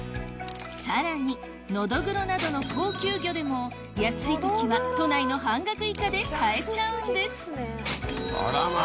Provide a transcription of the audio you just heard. さらにノドグロなどの高級魚でも安いときは都内の半額以下で買えちゃうんですあらま！